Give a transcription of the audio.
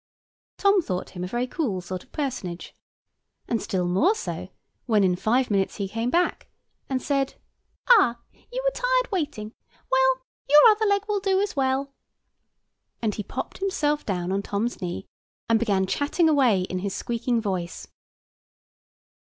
Tom thought him a very cool sort of personage; and still more so, when, in five minutes he came back, and said—"Ah, you were tired waiting? Well, your other leg will do as well." And he popped himself down on Tom's knee, and began chatting away in his squeaking voice.